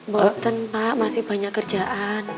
mungkin pak masih banyak kerjaan